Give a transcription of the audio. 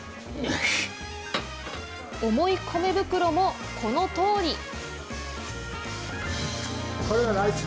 重い米袋も、このとおり。